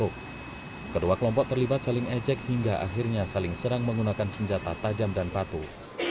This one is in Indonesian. kedua kelompok terlibat saling ejek hingga akhirnya saling serang menggunakan senjata tajam dan patuh